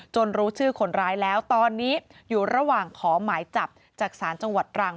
รู้ชื่อคนร้ายแล้วตอนนี้อยู่ระหว่างขอหมายจับจากศาลจังหวัดตรัง